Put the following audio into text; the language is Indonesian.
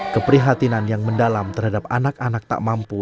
keprihatinan yang mendalam terhadap anak anak tak mampu